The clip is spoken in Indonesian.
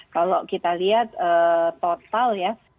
kalau kita lihat total ya